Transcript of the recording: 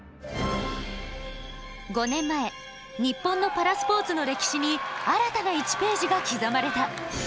５年前日本のパラスポーツの歴史に新たな１ページが刻まれた。